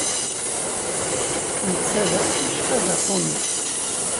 Netta d aqcic ajapuni.